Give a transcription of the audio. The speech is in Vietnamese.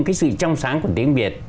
cái sự trong sáng của tiếng việt